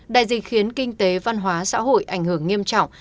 đại dịch khiến kinh tế văn hóa xã hội ảnh hưởng nghiêm trọng